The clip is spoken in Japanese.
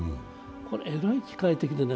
これ、えらい機械的でね